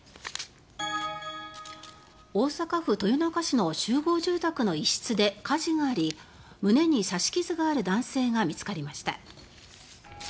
大阪府豊中市の集合住宅の一室で火事があり胸に刺し傷がある男性が見つかりました。